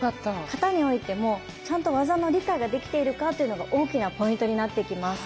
形においてもちゃんと技の理解ができているかというのが大きなポイントになってきます。